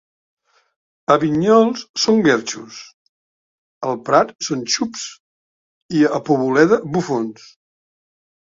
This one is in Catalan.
A Vinyols són guerxos, al Prat són xups i a Poboleda bufons.